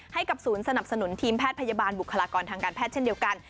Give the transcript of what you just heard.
ให้กับศูนย์สนับสนุนทีมแพทย์พยาบาลบุคลากรทางการแพทย์เช่นเดียวกัน